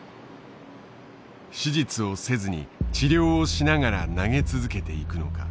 手術をせずに治療をしながら投げ続けていくのか。